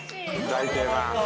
◆大定番。